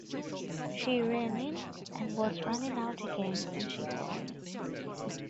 She ran in, and was running out again when she saw me.